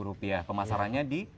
rp tiga pemasarannya di